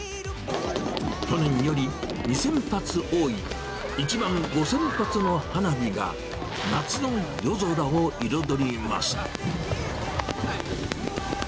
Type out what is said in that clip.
去年より２０００発多い、１万５０００発の花火が、夏の夜空を彩ります。